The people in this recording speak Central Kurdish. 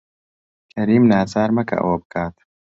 کەریم ناچار مەکە ئەوە بکات.